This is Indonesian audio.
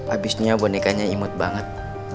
abisnya bonekanya imut banget